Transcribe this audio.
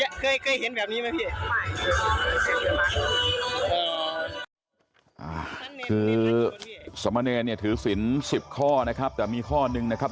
คือสมเนรเนี่ยถือศิลป์สิบข้อนะครับแต่มีข้อหนึ่งนะครับ